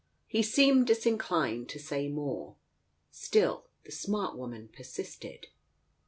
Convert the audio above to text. He seemed disinclined to say more. Still the smart woman persisted.